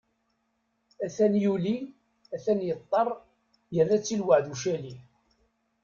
Atan yuli, atan yeṭṭer, yerra-tt i lweɛd ucali.